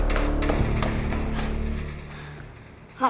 lo gak usah ikut siapa